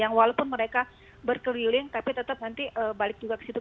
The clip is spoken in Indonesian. yang walaupun mereka berkeliling tapi tetap nanti balik juga ke situ